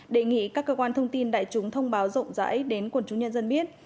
đề nghị các cơ quan thông tin đại chúng thông báo rộng rãi đến quần chúng nhân dân biết